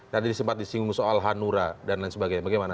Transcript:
tadi sempat disinggung soal hanura dan lain sebagainya bagaimana